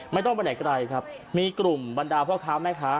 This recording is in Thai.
ไม่ต้องไปไหนไกลครับมีกลุ่มบรรดาพ่อค้าแม่ค้า